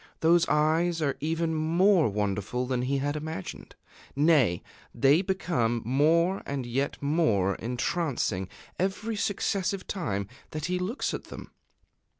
Those eyes are even more wonderful than he had imagined nay! they become more and yet more entrancing every successive time that he looks at them!